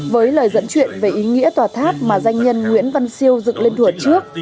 với lời dẫn chuyện về ý nghĩa tòa tháp mà danh nhân nguyễn văn siêu dựng lên thủa trước